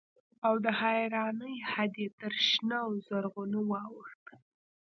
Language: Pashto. او د حيرانۍ حد يې تر شنه او زرغونه واوښت.